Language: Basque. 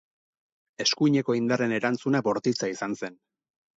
Eskuineko indarren erantzuna bortitza izan zen.